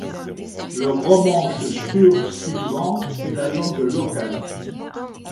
Le romanche sursilvan est la langue locale.